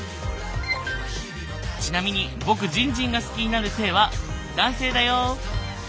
ちなみに僕じんじんが好きになる性は男性だよ。